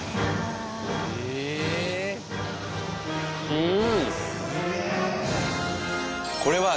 うん！